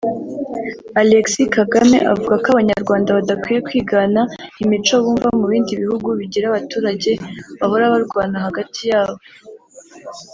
Alexis Kagame avuga ko abanyarwanda badakwiye kwigana imico bumva mu bindi bihugu bigira abaturage bahora barwana hagati yabo